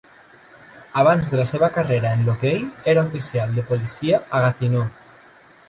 Abans de la seva carrera en l'hoquei, era oficial de policia a Gatineau.